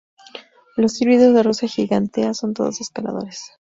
Los híbridos de "Rosa gigantea" son todos escaladores.